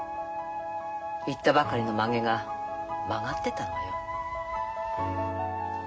結ったばかりのまげが曲がってたのよ。